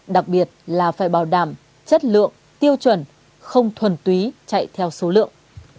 đặc biệt là phải bảo đảm chất lượng tiêu chuẩn không thuần túy chạy theo số lượng